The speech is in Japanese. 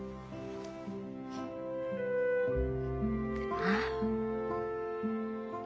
ああ。